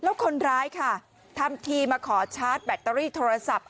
แล้วคนร้ายค่ะทำทีมาขอชาร์จแบตเตอรี่โทรศัพท์